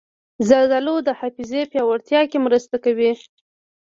زردالو د حافظې پیاوړتیا کې مرسته کوي.